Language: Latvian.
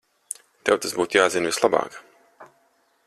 Tev tas būtu jāzina vislabāk.